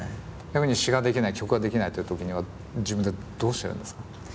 逆に詞が出来ない曲が出来ないっていう時には自分でどうしてるんですか？